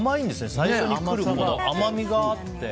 最初に来る甘みがあって。